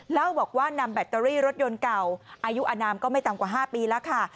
เล่าบอกว่านำแบตเตอรี่รถยนต์เก่าอายุอนามก็ไม่ต่ำกว่า๕ปีแล้วค่ะ